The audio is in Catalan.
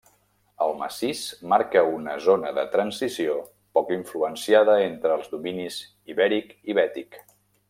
El massís marca una zona de transició poc influenciada entre els dominis ibèric i bètic.